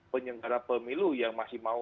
penyelenggara pemilu yang masih mau